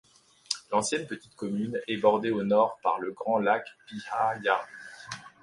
L'ancienne petite commune est bordée au nord par le grand lac Pyhäjärvi.